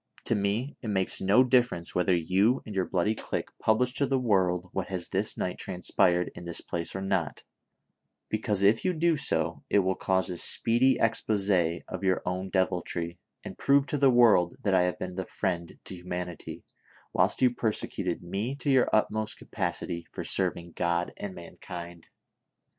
" To me it makes no difference whether you and your bloody clique publish to the world what has this night transpired in this place or not ; because, if you do so, it will cause a speedy expose of your own deviltry, and prove to the world that I have been the friend to humanity, whilst you persecuted me to your utmost capacity for serv ing God and mankind